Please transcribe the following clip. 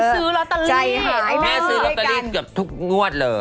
แม่ซื้อลอตเตอรี่เกือบทุกนวดเลย